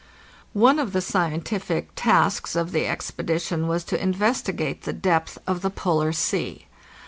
One of the scientific tasks of the expedition was to investt gate the depth of the Polar Sea.